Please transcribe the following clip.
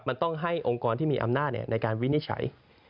มันต้องให้องค์กรที่มีอำนาจในการวินิจฉัย